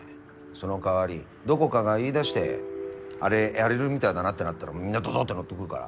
そのかわりどこかが言いだしてあれやれるみたいだなってなったらみんなどどって乗ってくるから。